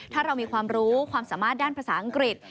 ถ้าเรามีความรู้ความสามารถด้านภาษาอังกฤษ